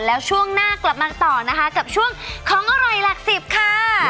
แล้วช่วงหน้ากลับมาต่อนะคะกับช่วงของอร่อยหลักสิบค่ะ